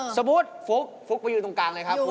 สมมุติฟุ๊กฟุ๊กไปยืนตรงกลางเลยครับฟุ๊ก